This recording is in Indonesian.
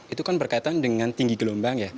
itu kan berkaitan dengan tinggi gelombang ya